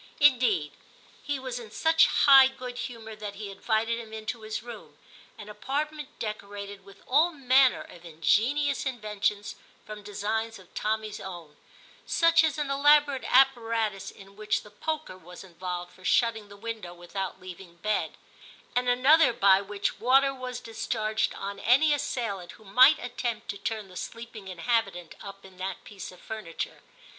Indeed, he was in such high good humour that he invited him into his room, an apart ment decorated with all manner of ingenious inventions from designs of Tommy's own ; such as an elaborate apparatus in which the poker was involved for shutting the window without leaving bed, and another by which water was discharged on any assailant who might attempt to turn the sleeping inhabitant up in that piece of furniture.